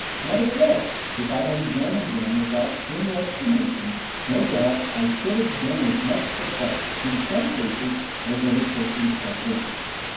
Nevertheless, if I had examined them without any explanation, no doubt I should have been as much perplexed, in some cases, as other persons have been.